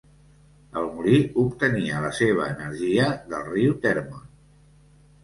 El molí obtenia la seva energia del riu Termon.